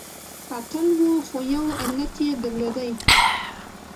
اتل و خو يو علت يې درلودی .